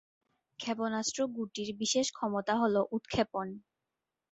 ক্ষেপণাস্ত্র গুটির বিশেষ ক্ষমতা হল উৎক্ষেপণ।